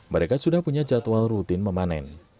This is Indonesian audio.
mereka sudah punya jadwal rutin memanen